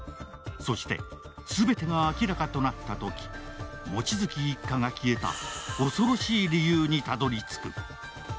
そして、全てが明らかとなったとき望月一家が消えた恐ろしい理由にたどり着く。